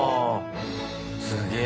すげえ。